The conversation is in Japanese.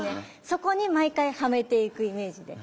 そこに毎回はめていくイメージで。